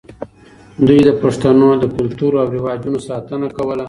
دوی د پښتنو د کلتور او رواجونو ساتنه کوله.